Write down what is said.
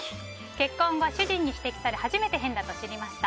結婚後、主人に指摘され初めて変だと気づきました。